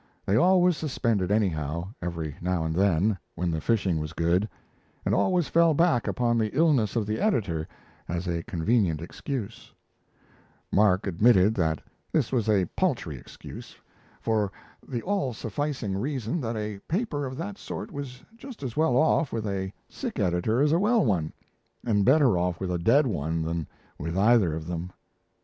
They always suspended anyhow, every now and then, when the fishing was good; and always fell back upon the illness of the editor as a convenient excuse, Mark admitted that this was a paltry excuse, for the all sufficing reason that a paper of that sort was just as well off with a sick editor as a well one, and better off with a dead one than with either of them.